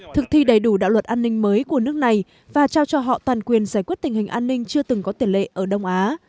thực thi đầy đủ đạo luật an ninh mới của nước này và trao cho họ toàn quyền giải quyết tình hình an ninh chưa từng có tiền lệ ở đông á